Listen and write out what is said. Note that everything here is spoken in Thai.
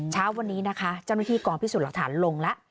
เช้าวันนี้นะคะเจ้าหน้าที่กองพิสูจน์หลักฐานลงแล้ว